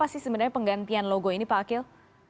apa sih sebenarnya penggantian logo ini pak akil